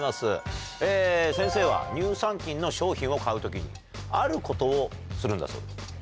先生は乳酸菌の商品を買う時にあることをするんだそうです。